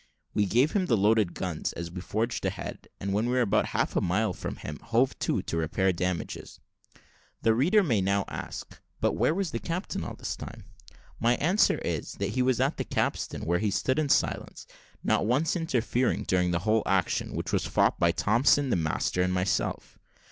We gave him the loaded guns as we forged a head, and when we were about half a mile from him, hove to, to repair damages. The reader may now ask, "But where was the captain all this time?" My answer, is, that he was at the capstan, where he stood in silence, not once interfering during the whole action, which was fought by Thompson the master and myself.